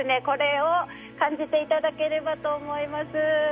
これを感じていただければと思います。